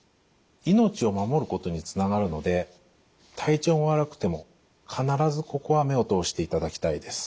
命を守ることにつながるので体調が悪くても必ずここは目を通していただきたいです。